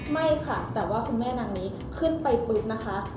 ไม่ค่ะแต่ว่าคุณแม่นางนี้ขึ้นไปปุ๊บนะคะ